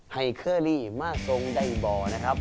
ไฮเคอรี่มาสงใดบอร์นะครับ